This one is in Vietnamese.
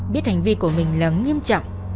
biết hành vi của mình là nghiêm trọng